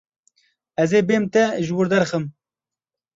Ez ê bêm te ji wir derxim.